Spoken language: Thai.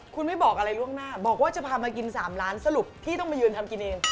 คุณไม่บอกอะไรล่วงหน้าบอกว่าจะพามากิน๓ล้านสรุปพี่ต้องมายืนทำกินเอง